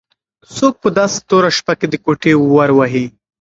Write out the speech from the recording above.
څوک په داسې توره شپه کې د کوټې ور وهي؟